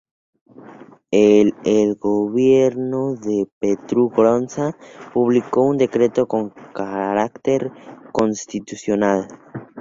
El el gobierno de Petru Groza publicó un decreto con carácter constitucional.